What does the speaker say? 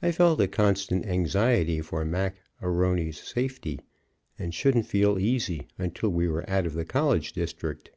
I felt a constant anxiety for Mac A'Rony's safety, and shouldn't feel easy until we were out of the college district.